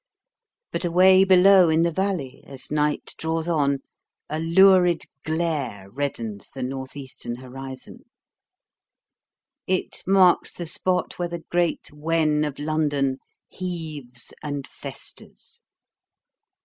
But away below in the valley, as night draws on, a lurid glare reddens the north eastern horizon. It marks the spot where the great wen of London heaves and festers.